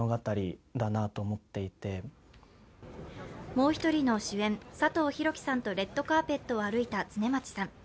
もう一人の主演、サトウヒロキさんとレッドカーペットを歩いた常間地さん。